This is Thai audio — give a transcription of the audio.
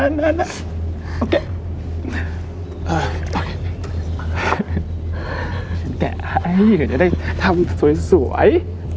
เอาแกะเออเอาแกะแกะให้เหมือนจะได้ทำสวยสวย